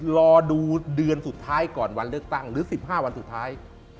รอดูเดือนสุดท้ายก่อนวันเลือกตั้งหรือ๑๕วันสุดท้าย